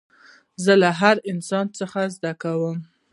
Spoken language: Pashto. زه له هر انسان څخه زدکړه کوم.